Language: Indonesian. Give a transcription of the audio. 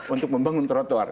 untuk membangun trotoar